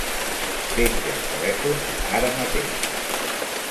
Penja el telèfon ara mateix.